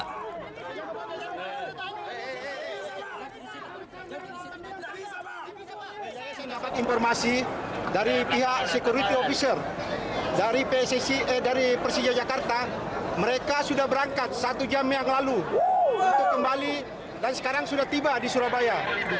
saya dapat informasi dari pihak security officer dari persija jakarta mereka sudah berangkat satu jam yang lalu untuk kembali dan sekarang sudah tiba di surabaya